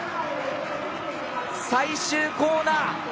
最終コーナー